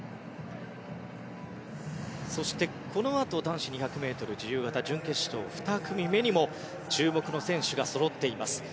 そして、このあと男子２００ｍ自由形準決勝２組目にも注目の選手がそろっています。